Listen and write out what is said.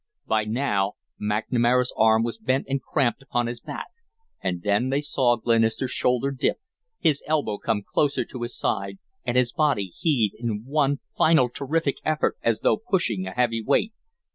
By now McNamara's arm was bent and cramped upon his back, and then they saw Glenister's shoulder dip, his elbow come closer to his side, and his body heave in one final terrific effort as though pushing a heavy weight.